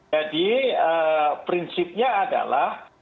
jadi prinsipnya adalah